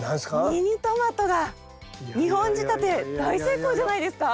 ミニトマトが２本仕立て大成功じゃないですか。